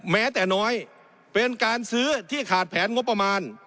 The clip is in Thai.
แม้แต่น้อยเป็นการซื้อที่ขาดแผนงบประมาณ